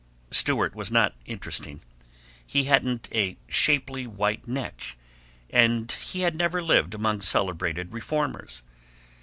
Stewart was not interesting. He hadn't a shapely white neck, and he had never lived among celebrated reformers.